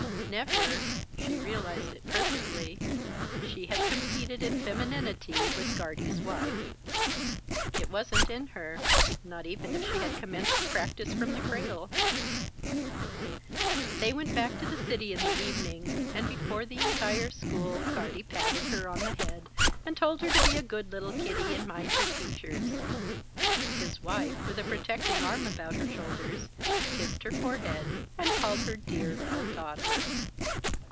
Never she realized it perfectly could she have competed in femininity with Guardie's wife. It wasn't in her, not even if she had commenced to practise from the cradle. They went back to the city in the evening, and before the entire school, Guardie patted her on the head and told her to be a good little kiddie and mind her teachers. His wife, with a protecting arm about her shoulders, kissed her forehead and called her "dear little daughter."